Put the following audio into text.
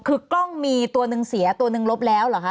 คือกล้องมีตัวหนึ่งเสียตัวหนึ่งลบแล้วเหรอคะ